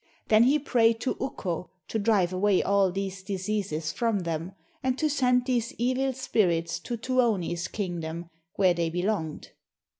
Then he prayed to Ukko to drive away all these diseases from them, and to send these evil spirits to Tuoni's kingdom, where they belonged.